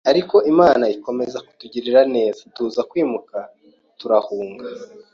ariko Imana ikomeza kutugirira neza, tuza kwimuka turahunga